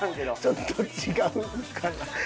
ちょっと違うかな。